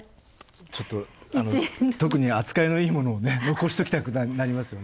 ちょっと特に扱いのいいものを残しておきたくなりますよね。